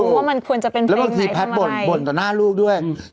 ว่ามันควรจะเป็นเพลงไหนคืออะไรแล้วบางทีพลัดบ่นบ่นต่อหน้าลูกด้วยอืม